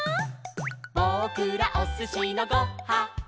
「ぼくらおすしのご・は・ん」